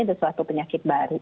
ada suatu penyakit baru